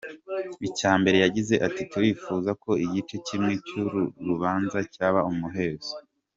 Icya mbere yagize ati “ Turifuza ko igice kimwe cy’uru rubanza cyaba umuhezo”.